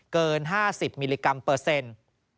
เกิน๕๐มิลลิกรัมเปอร์เซ็นต์